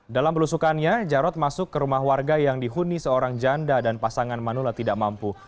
dalam belusukannya jarod masuk ke rumah warga yang dihuni seorang janda dan pasangan manula tidak mampu